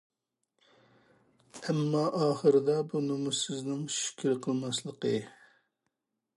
ئەمما ئاخىرىدا بۇ نومۇسسىزنىڭ شۈكرى قىلماسلىقى، .